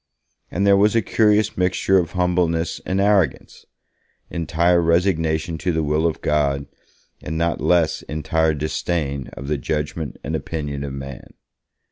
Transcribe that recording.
And there was a curious mixture of humbleness and arrogance; entire resignation to the will of God and not less entire disdain of the judgement and opinion of man.